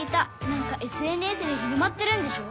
なんかＳＮＳで広まってるんでしょ？